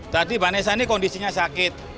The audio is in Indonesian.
tadi vanessa ini kondisinya sakit